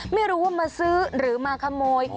ไม่รู้ว่ามาซื้อหรือมาขโมย